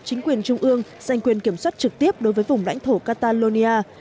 chính quyền trung ương dành quyền kiểm soát trực tiếp đối với vùng lãnh thổ catalonia